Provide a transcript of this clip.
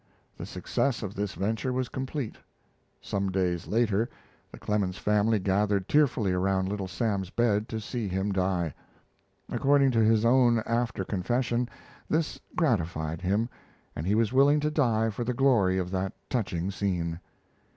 The success of this venture was complete. Some days later, the Clemens family gathered tearfully around Little Sam's bed to see him die. According to his own after confession, this gratified him, and he was willing to die for the glory of that touching scene.